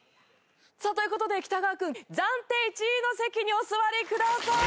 さあという事で北川くん暫定１位の席にお座りください。